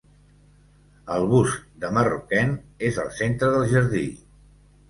El bust de Marroquín és el centre del jardí.